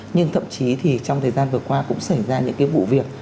nhưng thậm chí thì trong thời gian vừa qua cũng xảy ra những cái vụ việc